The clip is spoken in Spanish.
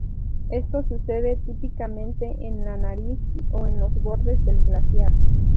Esto sucede típicamente en la nariz o en los bordes del glaciar.